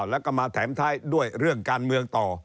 แล้วก็มาแถมท้ายด้วยเรื่องการเมืองต่อ